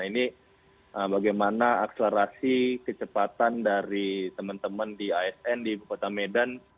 ini bagaimana akselerasi kecepatan dari teman teman di asn di ibu kota medan